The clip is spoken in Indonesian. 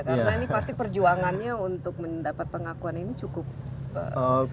karena ini pasti perjuangannya untuk mendapat pengakuan ini cukup sukses